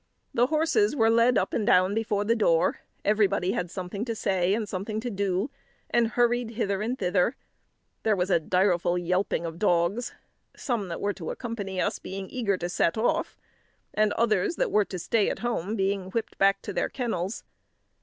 The horses were led up and down before the door; everybody had something to say and something to do, and hurried hither and thither; there was a direful yelping of dogs; some that were to accompany us being eager to set off, and others that were to stay at home being whipped back to their kennels.